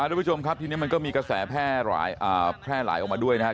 อ่าทุกผู้ชมครับทีนี้มันก็มีกระแสแพร่หลายอ่าแพร่หลายออกมาด้วยนะครับ